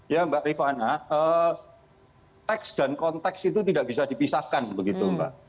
ya mbak rifana teks dan konteks itu tidak bisa dipisahkan begitu mbak